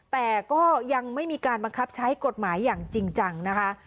แต่ก็ยังไม่มีการบังคับใช้กฎหมายอย่างจริงจังนะคะ